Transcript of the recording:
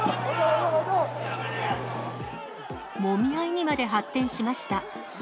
もみ合いにまで発展しました。